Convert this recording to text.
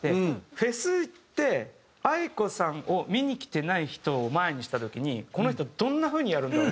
フェス行ってａｉｋｏさんを見に来てない人を前にした時にこの人どんな風にやるんだろう？